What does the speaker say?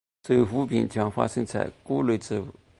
轴腐病常发生在谷类植物。